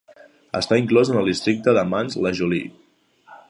Està inclòs en el districte de Mantes-la-Jolie.